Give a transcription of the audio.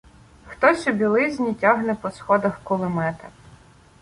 Хтось у білизні тягне по сходах кулемета.